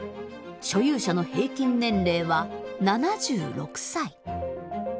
所有者の平均年齢は７６歳。